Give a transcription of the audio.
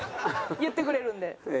言ってくれるんで。